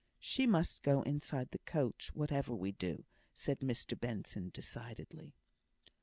"She must go inside the coach whatever we do," said Mr Benson, decidedly.